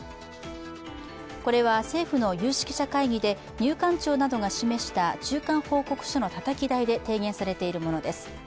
これは、政府の有識者会議で入管庁などが示した中間報告書のたたき台で提言されているものです。